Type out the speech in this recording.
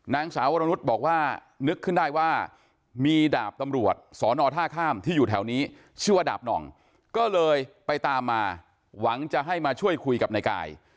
นางสาววรนุษย์บอกว่านึกขึ้นได้ว่ามีดาบตำรวจสอนอท่าข้ามที่อยู่แถวนี้ชื่อว่าดาบหน่องก็เลยไปตามมาหวังจะให้มาช่วยคุยกับนายกาย